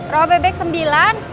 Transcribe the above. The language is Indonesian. rau bebek sembilan